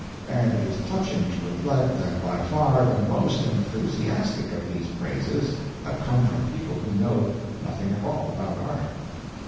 And it is touching to reflect that by far the most enthusiastic of these praises have come from people who know nothing at all about art.